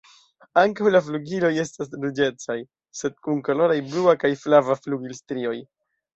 Ankaŭ la flugiloj estas ruĝecaj sed kun koloraj blua kaj flava flugilstrioj.